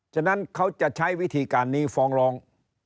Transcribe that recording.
ฉะนั้นเขาจะใช้วิธีการนี้ฟ้องร้อง